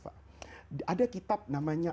ada kitab namanya